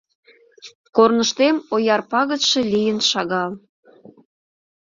Корныштем ояр пагытше лийын шагал.